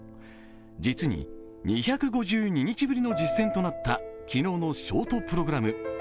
実に２５２日ぶりの実戦となった機能のショートプログラム。